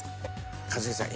一茂さん